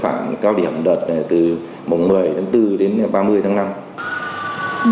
tại địa điểm tổ chức sea games ba mươi một